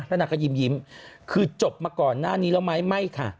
แล้วนางก็ยิ้มคือจบมาก่อนหน้านี้แล้วไหมไม่ค่ะ